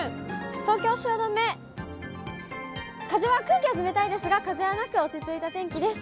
東京・汐留、空気は冷たいですが、風はなく、落ち着いた天気です。